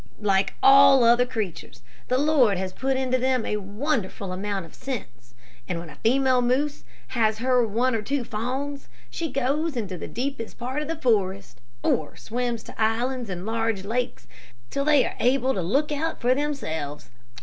Like all other creatures, the Lord has put into them a wonderful amount of sense, and when a female moose has her one or two fawns she goes into the deepest part of the forest, or swims to islands in large lakes, till they are able to look out for themselves.